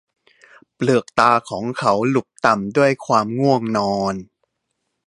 เปลือกตาของเขาหลุบต่ำด้วยความง่วงนอน